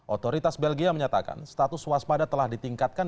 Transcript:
otoritas belgia menyatakan status waspada telah ditingkatkan